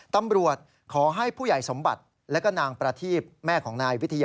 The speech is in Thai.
ตำรวจขอให้ผู้ใหญ่สมบัติและก็นางประทีบ